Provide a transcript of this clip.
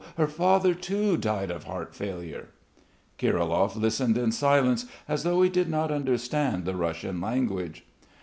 Her father too died of heart failure." Kirilov listened in silence as though he did not understand the Russian language.